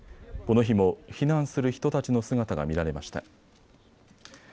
この日も避難する人たちの姿が見られました。